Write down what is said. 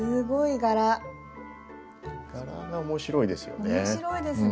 柄が面白いですよね。